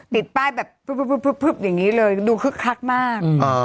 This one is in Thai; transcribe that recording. ติดป้ายแบบพึบอย่างนี้เลยดูคึกคักมาก